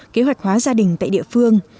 kế hoạch hóa gia đình tại địa phương